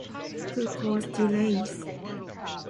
It could cause delays.